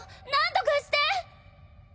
何とかして！